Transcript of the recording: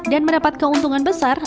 dan mendapat keuntungan besar